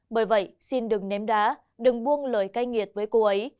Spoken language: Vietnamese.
bởi vậy xin đừng ném đá đừng buông lời cay nghiệt với cô ấy